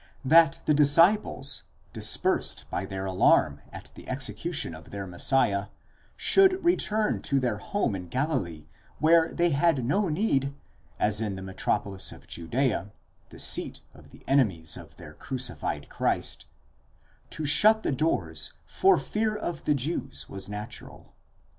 That the disciples, dispersed by their alarm, at the execution of their Messiah, should return to their home in Galilee, where they had no need, as in the metropolis of Judea, the seat of the enemies of their crucified Christ, to shut the doors for fear of the Jews, was natural.